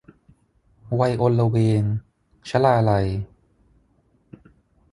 วัยอลเวง - ชลาลัย